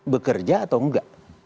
bekerja atau enggak